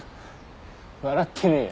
笑ってねぇよ。